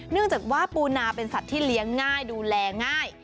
เนื่องจากว่าปูนาเป็นสัตว์ที่เลี้ยงง่ายดูแลง่าย